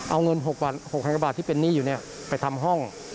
เอาเงิน๖๐๐กว่าบาทที่เป็นหนี้อยู่ไปทำห้อง